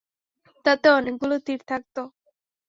তাতে অনেকগুলো তীর থাকত।